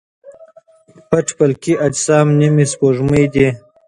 پټ فلکي اجسام نیمه سپوږمۍ دي.